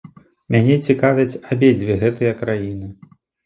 Мяне цікавяць абедзве гэтыя краіны.